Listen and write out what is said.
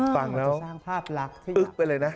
ฟังแล้วปึ๊บไปเลยนะ